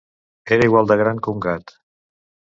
Era igual de gran que un gat.